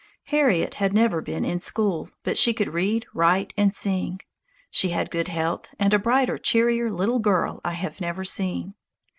Harriet had never been in school, but she could read, write, and sing. She had good health, and a brighter, cheerier little girl I have never seen.